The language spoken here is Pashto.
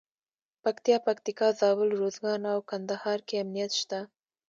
پکتیا، پکتیکا، زابل، روزګان او کندهار کې امنیت شته.